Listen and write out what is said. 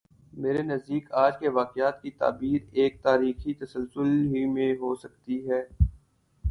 میرے نزدیک آج کے واقعات کی تعبیر ایک تاریخی تسلسل ہی میں ہو سکتی ہے۔